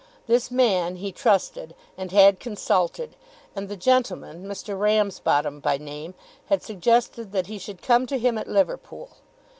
This man he trusted and had consulted, and the gentleman, Mr. Ramsbottom by name, had suggested that he should come to him at Liverpool.